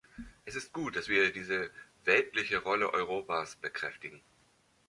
Es ist gut, dass wir diese weltliche Rolle Europas bekräftigen.